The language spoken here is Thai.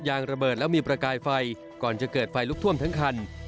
ยางระเบิดแล้วมีประกายไฟก่อนจะเกิดไฟลุกท่วมทั้งคัน